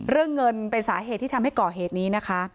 เรื่องเงินเป็นสาเหตุที่ทำให้ก่อเหตุนี้นะคะ